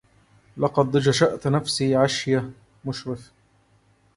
لقد جشأت نفسي عشية مشرف